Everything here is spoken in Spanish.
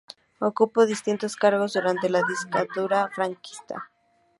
Ocupó distintos cargos durante la dictadura franquista.